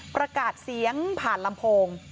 ประกาศเสียงผ่านลำโพง